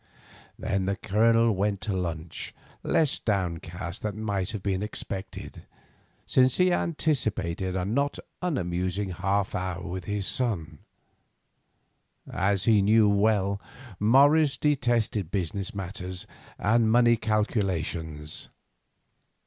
Then the Colonel went to lunch less downcast than might have been expected, since he anticipated a not unamusing half hour with his son. As he knew well, Morris detested business matters and money calculations.